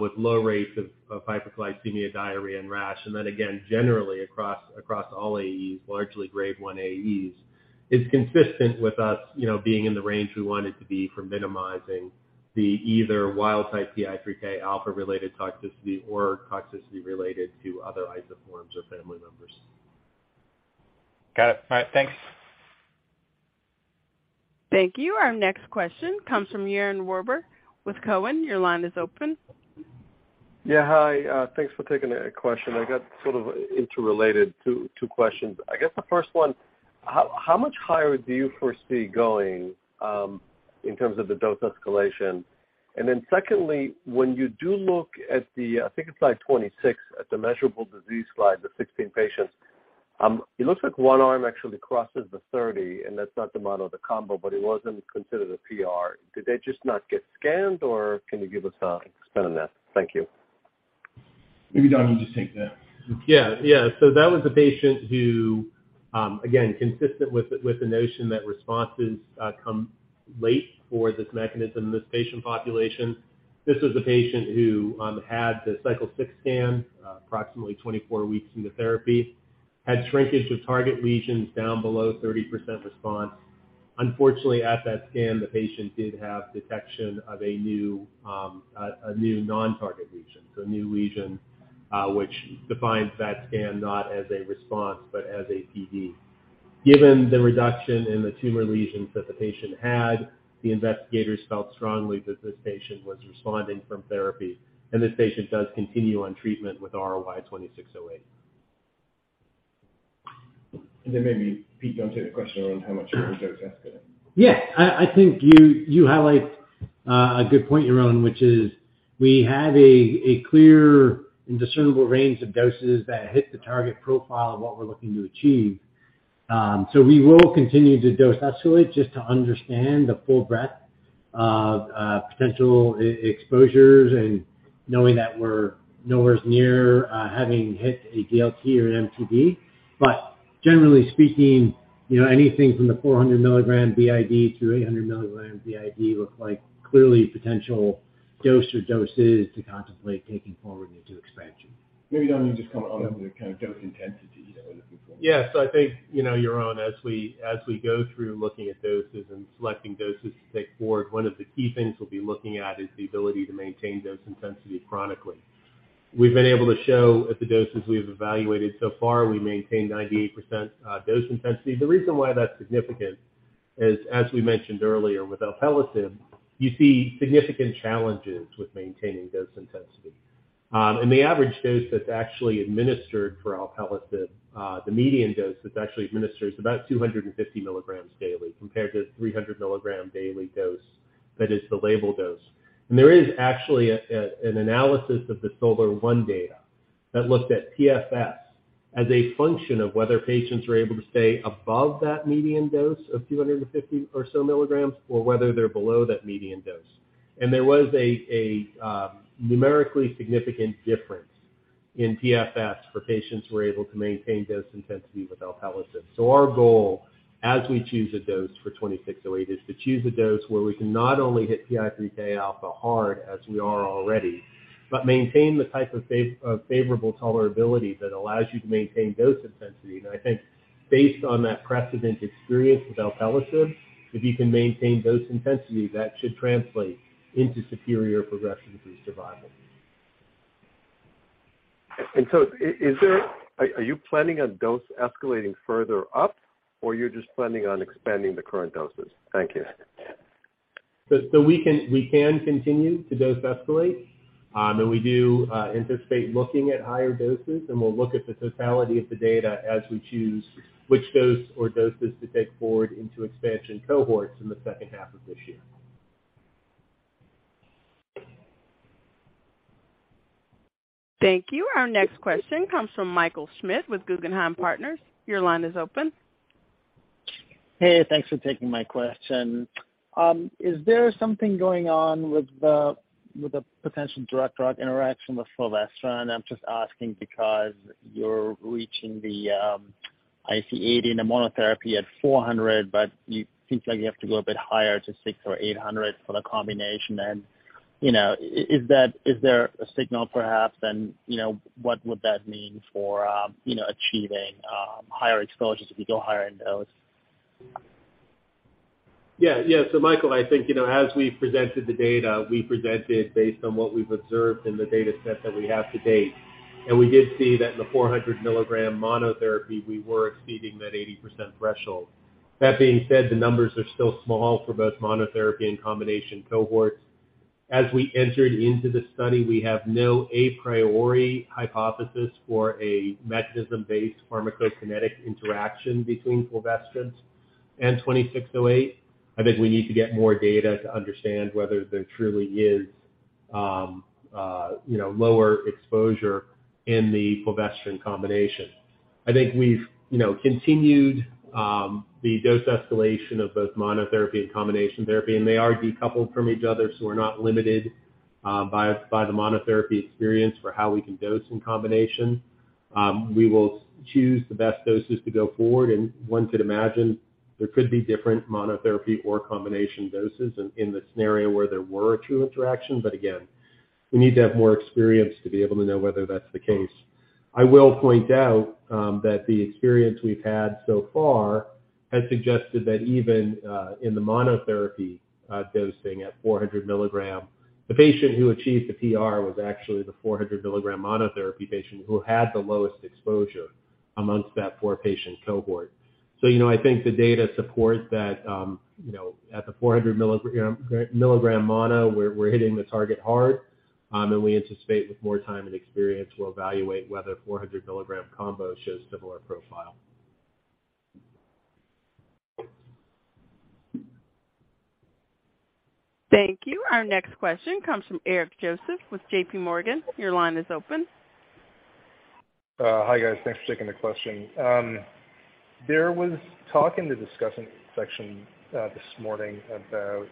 with low rates of hyperglycemia, diarrhea, and rash, and then again, generally across all AEs, largely Grade 1 AEs, is consistent with us, you know, being in the range we want it to be for minimizing the either wild-type PI3Kα-related toxicity or toxicity related to other isoforms or family members. Got it. All right. Thanks. Thank you. Our next question comes from Yaron Werber with Cowen. Your line is open. Yeah. Hi. Thanks for taking a question. I got sort of interrelated two questions. I guess the first one, how much higher do you foresee going in terms of the dose escalation? Secondly, when you do look at the, I think it's slide 26 at the measurable disease slide, the 16 patients, it looks like one arm actually crosses the 30, and that's not the mono, the combo, but it wasn't considered a PR. Did they just not get scanned, or can you give us expand on that? Thank you. Maybe, Don, you just take that. Yeah. Yeah. That was a patient who, again, consistent with the notion that responses come late for this mechanism in this patient population. This was a patient who had the cycle six scan, approximately 24 weeks into therapy, had shrinkage of target lesions down below 30% response. Unfortunately, at that scan, the patient did have detection of a new non-target lesion. A new lesion, which defines that scan not as a response but as a PD. Given the reduction in the tumor lesions that the patient had, the investigators felt strongly that this patient was responding from therapy, and this patient does continue on treatment with RLY-2608. Maybe, Pete, you want to take the question on how much dose escalation? Yeah. I think you highlight a good point, Yaron, which is we have a clear and discernible range of doses that hit the target profile of what we're looking to achieve. We will continue to dose escalate just to understand the full breadth of potential exposures and knowing that we're nowhere near having hit a DLT or an MTD. Generally speaking, you know, anything from the 400 mg BID to 800 mg BID look like clearly potential dose or doses to contemplate taking forward into expansion. Maybe, Don, you just comment on the kind of dose intensity that we're looking for. Yeah. I think, you know, Yaron, as we, as we go through looking at doses and selecting doses to take forward, one of the key things we'll be looking at is the ability to maintain dose intensity chronically. We've been able to show at the doses we've evaluated so far, we maintain 98% dose intensity. The reason why that's significant is, as we mentioned earlier, with alpelisib, you see significant challenges with maintaining dose intensity. The average dose that's actually administered for alpelisib, the median dose that's actually administered is about 250 mg daily compared to 300 mg daily dose that is the label dose. There is actually an analysis of the SOLAR-1 data that looked at PFS as a function of whether patients were able to stay above that median dose of 250 or so milligrams or whether they're below that median dose. There was a numerically significant difference in PFS for patients who were able to maintain dose intensity with alpelisib. Our goal as we choose a dose for RLY-2608 is to choose a dose where we can not only hit PI3Kα hard as we are already, but maintain the type of favorable tolerability that allows you to maintain dose intensity. I think based on that precedent experience with alpelisib, if you can maintain dose intensity, that should translate into superior progression-free survival. Are you planning on dose escalating further up, or you're just planning on expanding the current doses? Thank you. We can continue to dose escalate, and we do anticipate looking at higher doses, and we'll look at the totality of the data as we choose which dose or doses to take forward into expansion cohorts in the second half of this year. Thank you. Our next question comes from Michael Schmidt with Guggenheim Securities. Your line is open. Hey, thanks for taking my question. Is there something going on with the potential drug-drug interaction with fulvestrant? I'm just asking because you're reaching the IC80 in the monotherapy at 400 mg, but you seems like you have to go a bit higher to 600 mg or 800 mg for the combination. You know, is there a signal perhaps? You know, what would that mean for, you know, achieving higher exposures if you go higher in dose? Michael, I think, you know, as we presented the data, we presented based on what we've observed in the data set that we have to date. We did see that in the 400 mg monotherapy, we were exceeding that 80% threshold. That being said, the numbers are still small for both monotherapy and combination cohorts. We entered into the study, we have no a priori hypothesis for a mechanism-based pharmacokinetic interaction between fulvestrant and RLY-2608. We need to get more data to understand whether there truly is you know, lower exposure in the fulvestrant combination. We've, you know, continued the dose escalation of both monotherapy and combination therapy, and they are decoupled from each other, so we're not limited by the monotherapy experience for how we can dose in combination. We will choose the best doses to go forward. One could imagine there could be different monotherapy or combination doses in the scenario where there were two interactions. Again, we need to have more experience to be able to know whether that's the case. I will point out that the experience we've had so far has suggested that even in the monotherapy dosing at 400 mg, the patient who achieved the PR was actually the 400 mg monotherapy patient who had the lowest exposure amongst that four-patient cohort. You know, I think the data supports that, you know, at the 400 mg mono, we're hitting the target hard, and we anticipate with more time and experience, we'll evaluate whether 400 mg combo shows similar profile. Thank you. Our next question comes from Eric Joseph with JPMorgan. Your line is open. Hi, guys. Thanks for taking the question. There was talk in the discussion section this morning about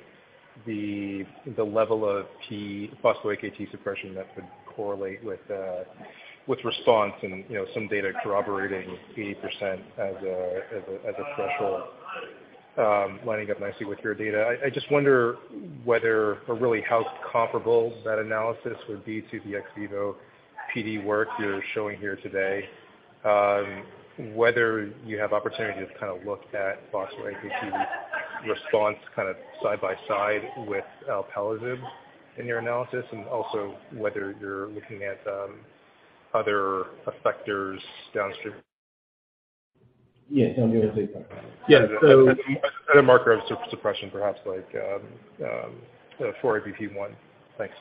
the level of phospho-AKT suppression that could correlate with response and, you know, some data corroborating 80% as a, as a, as a threshold, lining up nicely with your data. I just wonder whether or really how comparable that analysis would be to the ex vivo PD work you're showing here today. Whether you have opportunity to kind of look at phospho-AKT response kind of side by side with alpelisib in your analysis, and also whether you're looking at other effectors downstream. Yeah. Yeah. As a marker of suppression, perhaps like 4EBP1. Thanks.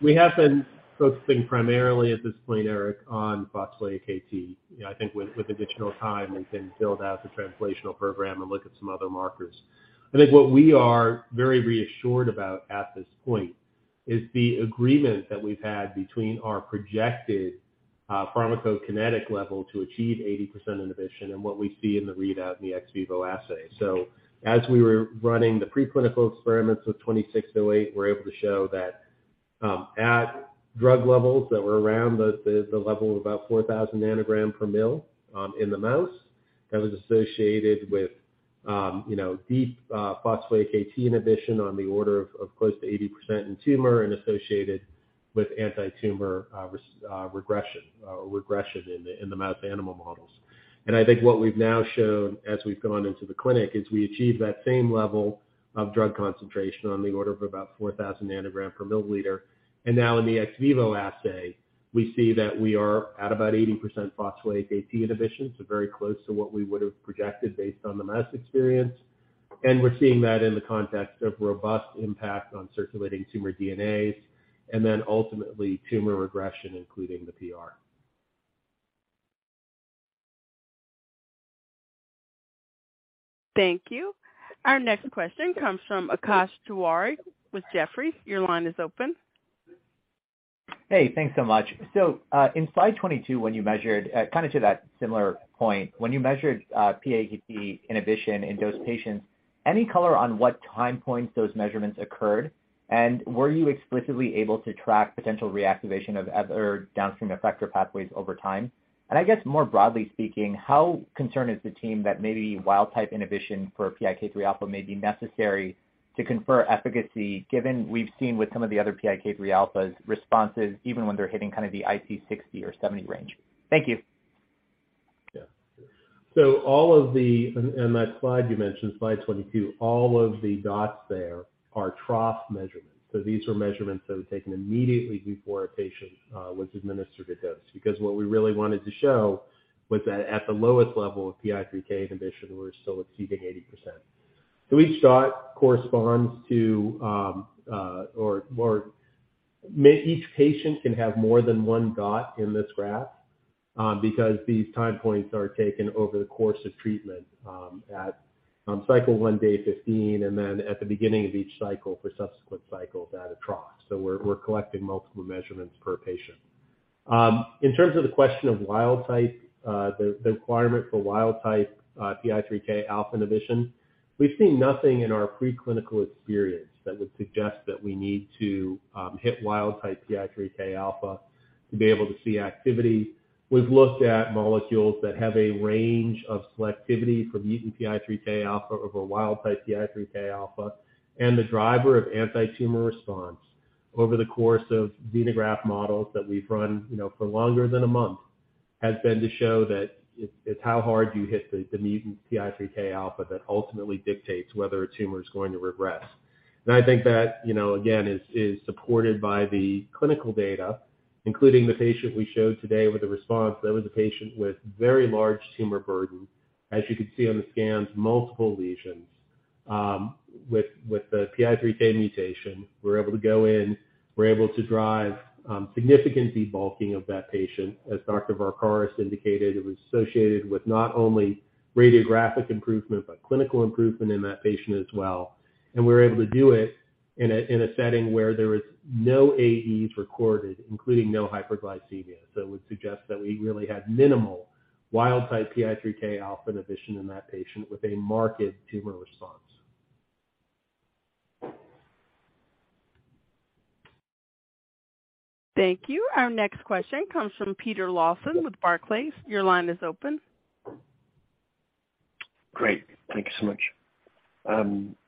We have been focusing primarily at this point, Eric, on phospho-AKT. You know, I think with additional time, we can build out the translational program and look at some other markers. I think what we are very reassured about at this point is the agreement that we've had between our projected pharmacokinetic level to achieve 80% inhibition and what we see in the readout in the ex vivo assay. As we were running the preclinical experiments with RLY-2608, we're able to show that, at drug levels that were around the level of about 4,000 ng/mL, in the mouse, that was associated with, you know, deep phospho-AKT inhibition on the order of close to 80% in tumor and associated with anti-tumor regression or regression in the mouse animal models. I think what we've now shown as we've gone into the clinic is we achieved that same level of drug concentration on the order of about 4,000 ng/mL. Now in the ex vivo assay, we see that we are at about 80% phospho-AKT inhibition, so very close to what we would have projected based on the mouse experience. We're seeing that in the context of robust impact on circulating tumor DNAs and then ultimately tumor regression, including the PR. Thank you. Our next question comes from Akash Tewari with Jefferies. Your line is open. Thanks so much. In slide 22, when you measured, kind of to that similar point, when you measured, pAKT inhibition in those patients, any color on what time points those measurements occurred? Were you explicitly able to track potential reactivation of other downstream effector pathways over time? I guess more broadly speaking, how concerned is the team that maybe wild type inhibition for PI3Kα may be necessary to confer efficacy, given we've seen with some of the other PI3Kαs responses even when they're hitting kind of the IC60 or IC70 range? Thank you. Yeah. On that slide you mentioned, slide 22, all of the dots there are trough measurements. These are measurements that were taken immediately before a patient was administered a dose. Because what we really wanted to show was that at the lowest level of PI3K inhibition, we're still exceeding 80%. Each patient can have more than one dot in this graph, because these time points are taken over the course of treatment, at cycle one, day 15, and then at the beginning of each cycle for subsequent cycles at a trough. We're collecting multiple measurements per patient. In terms of the question of wild type, the requirement for wild type PI3Kα inhibition, we've seen nothing in our preclinical experience that would suggest that we need to hit wild type PI3Kα to be able to see activity. We've looked at molecules that have a range of selectivity for mutant PI3Kα over wild type PI3Kα. The driver of anti-tumor response over the course of xenograft models that we've run, you know, for longer than a month, has been to show that it's how hard you hit the mutant PI3Kα that ultimately dictates whether a tumor is going to regress. I think that, you know, again, is supported by the clinical data, including the patient we showed today with a response. That was a patient with very large tumor burden. As you can see on the scans, multiple lesions with the PI3K mutation. We're able to go in, we're able to drive significant debulking of that patient. As Dr. Varkaris indicated, it was associated with not only radiographic improvement, but clinical improvement in that patient as well. We were able to do it in a setting where there was no AEs recorded, including no hyperglycemia. It would suggest that we really had minimal wild-type PI3Kα inhibition in that patient with a marked tumor response. Thank you. Our next question comes from Peter Lawson with Barclays. Your line is open. Great. Thank you so much.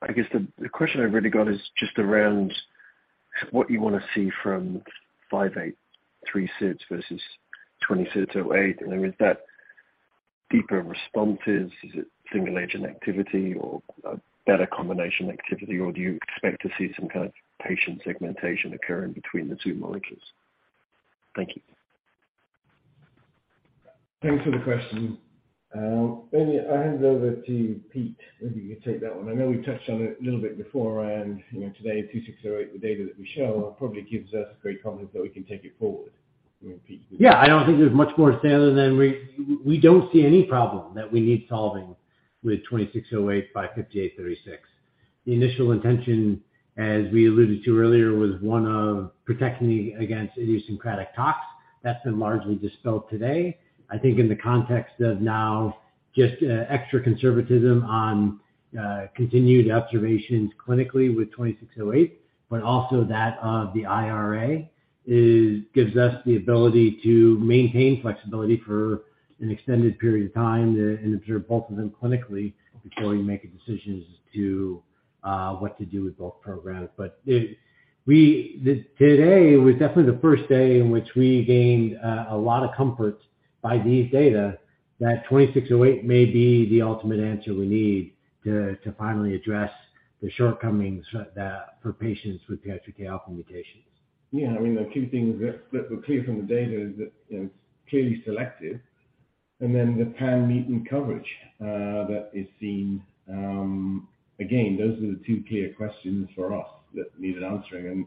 I guess the question I've really got is just around what you wanna see from RLY-5836 versus RLY-2608. I mean, is that deeper responses? Is it similar agent activity or a better combination activity? Or do you expect to see some kind of patient segmentation occurring between the two molecules? Thank you. Thanks for the question. Maybe I'll hand it over to Pete, maybe you can take that one. I know we touched on it a little bit before around, you know, today, RLY-2608, the data that we show probably gives us great confidence that we can take it forward. You know. Yeah. I don't think there's much more to say other than we don't see any problem that we need solving with RLY-2608 by RLY-5836. The initial intention, as we alluded to earlier, was one of protecting against idiosyncratic tox. That's been largely dispelled today. I think in the context of now just extra conservatism on continued observations clinically with RLY-2608, but also that of the IRA gives us the ability to maintain flexibility for an extended period of time to and observe both of them clinically before we make decisions as to what to do with both programs. Today was definitely the first day in which we gained a lot of comfort by these data that RLY-2608 may be the ultimate answer we need to finally address the shortcomings that for patients with PI3Kα mutations. Yeah. I mean, the two things that were clear from the data is that, you know, it's clearly selective, and then the pan-mutant coverage that is seen. Again, those were the two clear questions for us that needed answering, and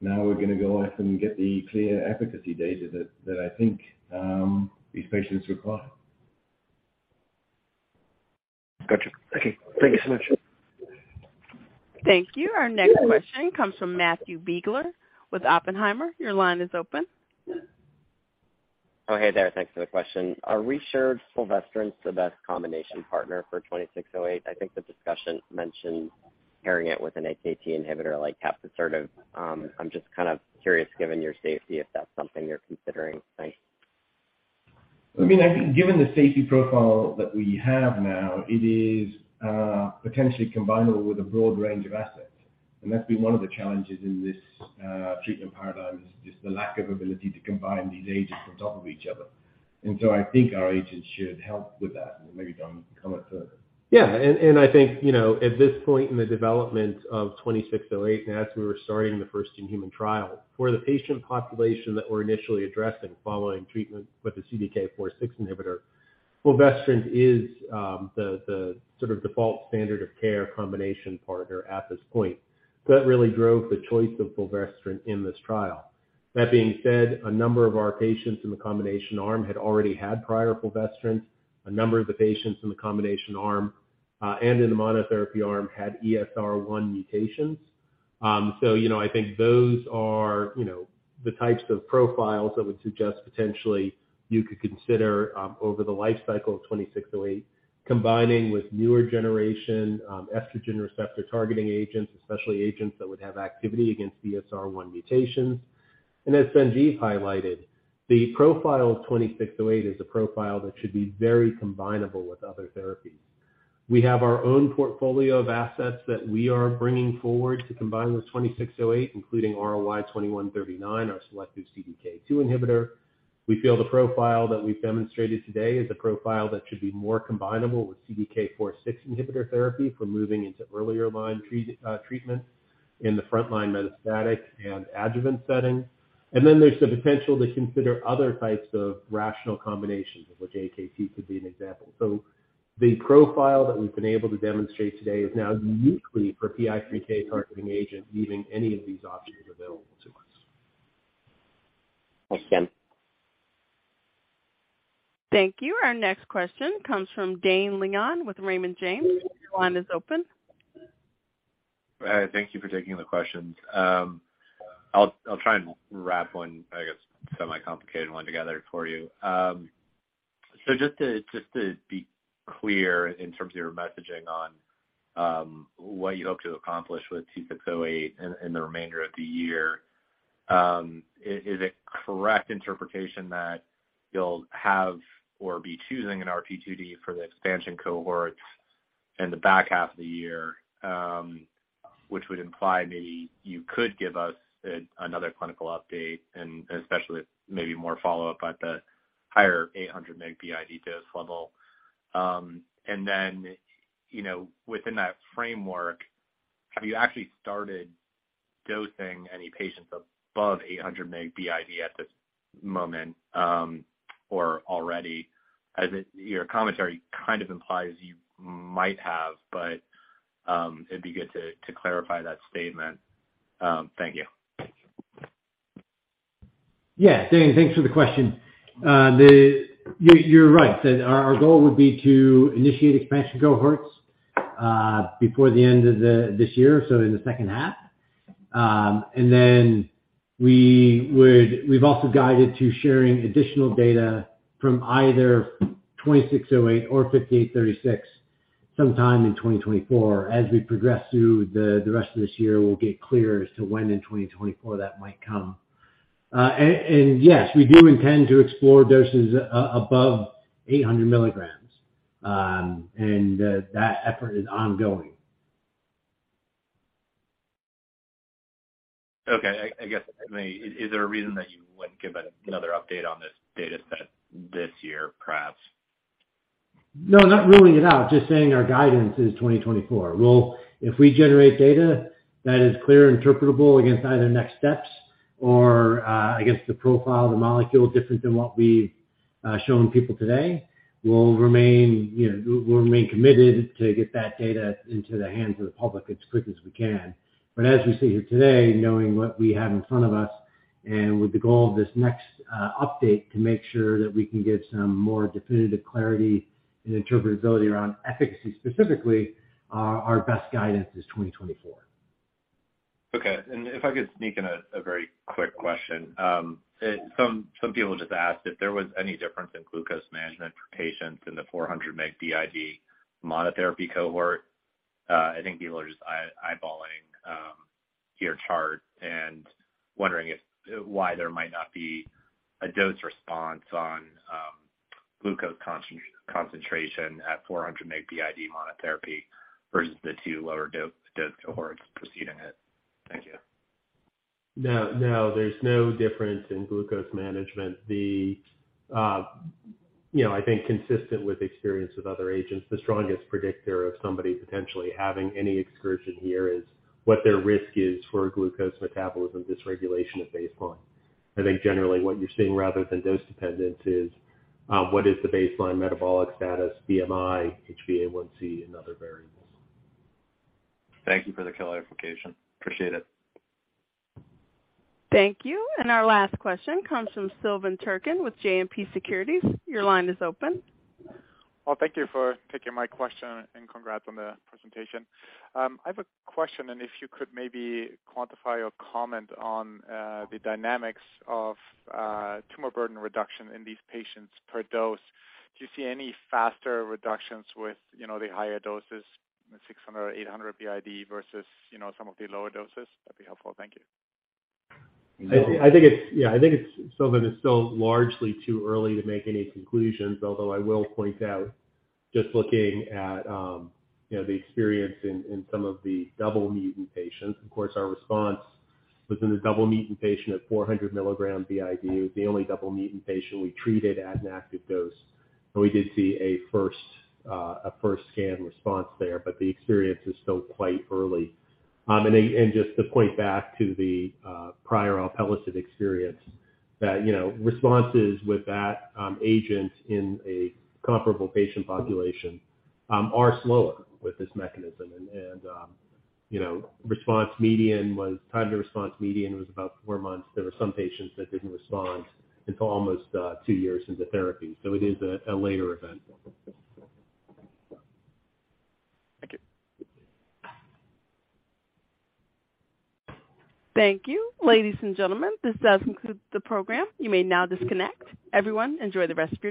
now we're gonna go off and get the clear efficacy data that I think these patients require. Gotcha. Okay. Thank you so much. Thank you. Our next question comes from Matthew Biegler with Oppenheimer. Your line is open. Oh, hey there. Thanks for the question. Are we sure fulvestrant's the best combination partner for RLY-2608? I think the discussion mentioned pairing it with an AKT inhibitor like capivasertib. I'm just kind of curious, given your safety, if that's something you're considering. Thanks. I mean, I think given the safety profile that we have now, it is potentially combinable with a broad range of assets. That's been one of the challenges in this treatment paradigm, is just the lack of ability to combine these agents on top of each other. I think our agents should help with that. Maybe, Don, you can comment further. Yeah. I think, you know, at this point in the development of RLY-2608, and as we were starting the first in-human trial, for the patient population that we're initially addressing following treatment with the CDK4/6 inhibitor, fulvestrant is the sort of default standard of care combination partner at this point. That really drove the choice of fulvestrant in this trial. That being said, a number of our patients in the combination arm had already had prior fulvestrant. A number of the patients in the combination arm, and in the monotherapy arm had ESR1 mutations. You know, I think those are, you know, the types of profiles that would suggest potentially you could consider, over the life cycle of RLY-2608, combining with newer generation, estrogen receptor targeting agents, especially agents that would have activity against ESR1 mutations. As Sanjiv Patel highlighted, the profile of RLY-2608 is a profile that should be very combinable with other therapies. We have our own portfolio of assets that we are bringing forward to combine with RLY-2608, including RLY-2139, our selective CDK2 inhibitor. We feel the profile that we've demonstrated today is a profile that should be more combinable with CDK4/6 inhibitor therapy for moving into earlier line treatment in the front line metastatic and adjuvant setting. There's the potential to consider other types of rational combinations, of which AKT could be an example. The profile that we've been able to demonstrate today is now uniquely for PI3K-targeting agent, leaving any of these options available to us. Thanks, Don. Thank you. Our next question comes from Dane Leone with Raymond James. Your line is open. All right. Thank you for taking the questions. I'll try and wrap one, I guess, semi-complicated one together for you. Just to be clear in terms of your messaging on what you hope to accomplish with RLY-2608 in the remainder of the year, is it correct interpretation that you'll have or be choosing an RP2D for the expansion cohorts in the back half of the year, which would imply maybe you could give us another clinical update and especially maybe more follow-up at the higher 800 mg BID dose level. You know, within that framework, have you actually started dosing any patients above 800 mg BID at this moment, or already? Your commentary kind of implies you might have, but, it'd be good to clarify that statement. Thank you. Dane, thanks for the question. You're right that our goal would be to initiate expansion cohorts before the end of this year, so in the second half. Then we've also guided to sharing additional data from either RLY-2608 or RLY-5836 sometime in 2024. As we progress through the rest of this year, we'll get clearer as to when in 2024 that might come. Yes, we do intend to explore doses above 800 mg. That effort is ongoing. Okay. I guess, I mean, is there another update on this data set this year, perhaps? No, not ruling it out, just saying our guidance is 2024. If we generate data that is clear and interpretable against either next steps or, against the profile of the molecule different than what we've shown people today, we'll remain, you know, we'll remain committed to get that data into the hands of the public as quick as we can. As we sit here today, knowing what we have in front of us and with the goal of this next update to make sure that we can get some more definitive clarity and interpretability around efficacy specifically, our best guidance is 2024. If I could sneak in a very quick question. Some people just asked if there was any difference in glucose management for patients in the 400 mg BID monotherapy cohort. I think people are just eyeballing your chart and wondering why there might not be a dose response on glucose concentration at 400 mg BID monotherapy versus the two lower dose cohorts preceding it. Thank you. No, no, there's no difference in glucose management. The, you know, I think consistent with experience with other agents, the strongest predictor of somebody potentially having any excursion here is what their risk is for glucose metabolism dysregulation at baseline. I think generally what you're seeing rather than dose dependence is, what is the baseline metabolic status, BMI, HbA1c, and other variables. Thank you for the clarification. Appreciate it. Thank you. Our last question comes from Silvan Türkcan with JMP Securities. Your line is open. Well, thank you for taking my question. Congrats on the presentation. I have a question. If you could maybe quantify or comment on the dynamics of tumor burden reduction in these patients per dose. Do you see any faster reductions with, you know, the higher doses, the 600 mg, 800 mg BID versus, you know, some of the lower doses? That'd be helpful. Thank you. Yeah, I think it's, Silvan, it's still largely too early to make any conclusions. Although I will point out just looking at, you know, the experience in some of the double mutant patients, of course, our response within the double mutant patient at 400 mg BID was the only double mutant patient we treated at an active dose, and we did see a first scan response there, but the experience is still quite early. Just to point back to the prior alpelisib experience that, you know, responses with that agent in a comparable patient population are slower with this mechanism. You know, time to response median was about four months. There were some patients that didn't respond until almost two years into therapy. It is a later event. Thank you. Thank you. Ladies and gentlemen, this does conclude the program. You may now disconnect. Everyone, enjoy the rest of your day.